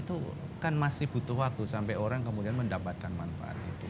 itu kan masih butuh waktu sampai orang kemudian mendapatkan manfaat itu